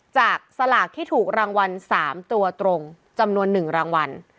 สลากที่ถูกรางวัล๓ตัวตรงจำนวน๑รางวัล